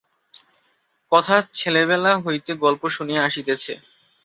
কথা-ছেলেবেলা হইতে গল্প শুনিয়া আসিতেছে।